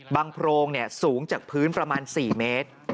โพรงสูงจากพื้นประมาณ๔เมตร